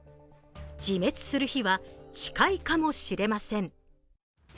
自滅する日は近いかもしれません。